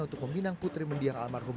untuk meminang putri mendiang almarhum